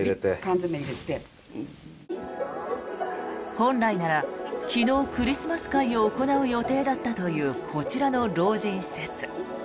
本来なら昨日、クリスマス会を行う予定だったというこちらの老人施設。